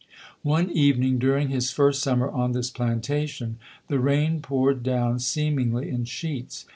One evening during his first summer on this plantation the rain poured down seemingly in sheets.